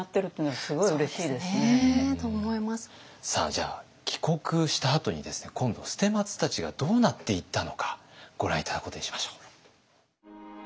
じゃあ帰国したあとに今度捨松たちがどうなっていったのかご覧頂くことにしましょう。